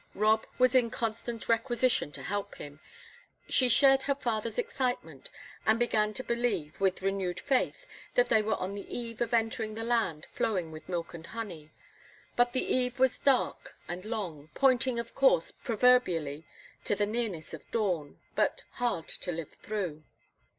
Rob was in constant requisition to help him; she shared her father's excitement, and began to believe, with renewed faith, that they were on the eve of entering the land flowing with milk and honey. But the eve was dark and long, pointing, of course, proverbially to the nearness of dawn, but hard to live through.